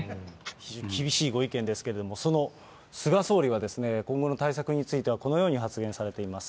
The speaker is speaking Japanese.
非常に厳しいご意見ですけど、その菅総理は、今後の対策については、このように発言されています。